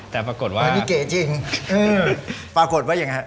แต่ปรากฏว่านี่เก๋จริงปรากฏว่ายังไงฮะ